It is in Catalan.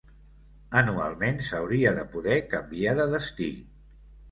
Anualment s'hauria de poder canviar de destí.